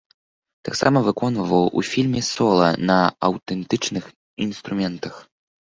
Таксама выконваў ў фільме сола на аўтэнтычных інструментах.